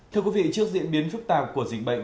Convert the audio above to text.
thưa quý vị trước diễn biến phức tạp của dịch bệnh